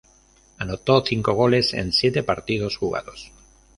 Anotó cinco goles en siete partidos jugados.